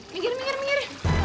minggir minggir minggir